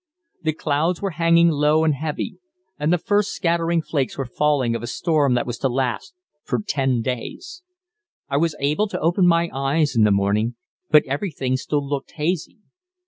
The clouds were hanging low and heavy, and the first scattering flakes were falling of a storm that was to last for ten days. I was able to open my eyes in the morning, but everything still looked hazy.